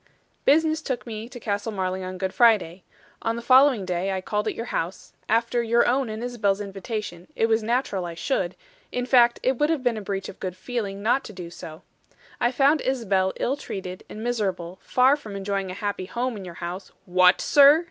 "Business took me to Castle Marling on Good Friday. On the following day I called at your house; after your own and Isabel's invitation, it was natural I should; in fact, it would have been a breach of good feeling not to do so, I found Isabel ill treated and miserable; far from enjoying a happy home in your house " "What, sir?"